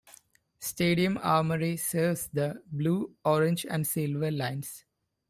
Stadium-Armory serves the Blue, Orange and Silver Lines.